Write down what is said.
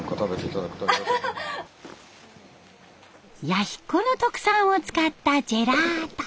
弥彦の特産を使ったジェラート。